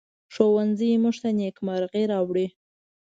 ښوونځی موږ ته نیکمرغي راوړي